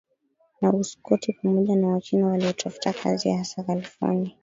na Uskoti pamoja na Wachina waliotafuta kazi hasa Kalifornia